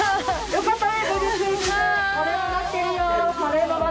よかった？